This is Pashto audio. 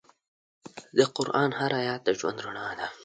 د قرآن هر آیت د ژوند رڼا ده.